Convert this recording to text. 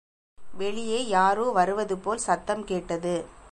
வெளியே யாரோ வருவதுபோல் சத்தம் கேட்டது.